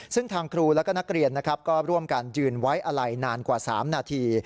ซึ่งทางครูและก็นักเรียนนะครับก็ร่วมกันยืนไว้อะไรนานกว่า๓นาที